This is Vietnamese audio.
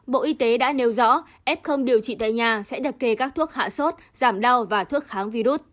bộ y tế đã nêu rõ ép không điều trị tại nhà sẽ đặt kề các thuốc hạ sốt giảm đau và thuốc kháng virus